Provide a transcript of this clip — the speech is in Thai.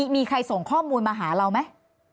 มีใครส่งข้อมูลมาหาเราไหม